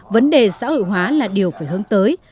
vấn đề xã hội hóa là điều phải hướng tới